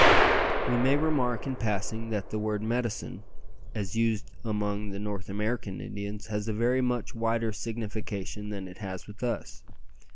We may remark in passing that the word "medicine," as used among the North American Indians, has a very much wider signification than it has with us.